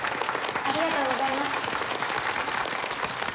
ありがとうございます。